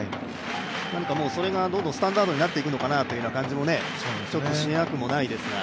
それがどんどんスタンダードになっていくのかなという感じもしなくはないですが。